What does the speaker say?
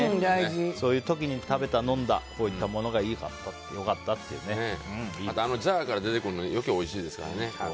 そういう時に食べた、飲んだこういったものがジャーから出てくるの余計においしいですからね。